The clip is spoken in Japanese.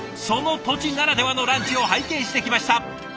その土地ならではのランチを拝見してきました。